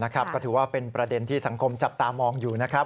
ก็ถือว่าเป็นประเด็นที่สังคมจับตามองอยู่นะครับ